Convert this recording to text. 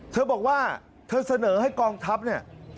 เธอบอกว่าเธอเสนอให้กองทัพเนี่ย